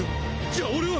じゃあ俺は！？